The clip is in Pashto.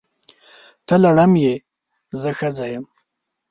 ته لړم یې! زه ښځه یم.